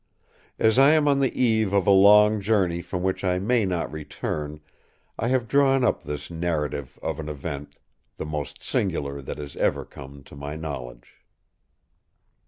As I am on the eve of a long journey from which I may not return, I have drawn up this narrative of an event the most singular that has ever come to my knowledge.